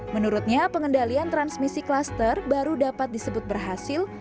menurutnya pengendalian transmisi klaster baru dapat disebut berhasil